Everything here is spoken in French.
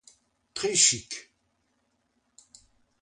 Très chic!